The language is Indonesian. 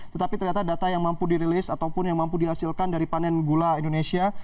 tetapi ternyata data yang mampu dirilis ataupun yang mampu dihasilkan dari panen gula indonesia